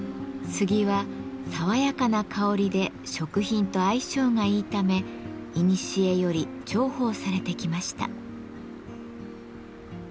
杉は爽やかな香りで食品と相性がいいためいにしえより重宝されてきました。